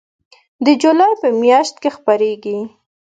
د جولای په میاشت کې خپریږي